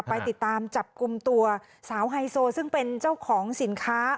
ไปติดตามจับกลุ่มตัวสาวไฮโซซึ่งเป็นเจ้าของสินค้า